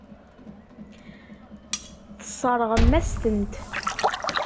Tesseṛɣem-as-tent.